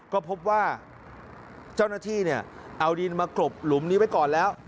ก็พบว่าเจ้าหน้าที่เอาดินมากรบหลุมนี้ไว้ก่อนแล้ว